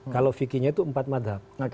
kalau fikihnya itu empat madhab